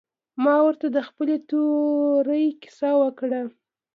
ما ورته د خپلې تورې کيسه وکړه.